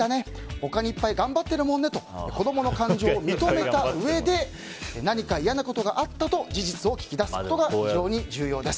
他にいっぱい頑張ってるもんねと子供の感情を認めたうえで何か嫌なことがあった？と事実を聞き出すことが非常に重要です。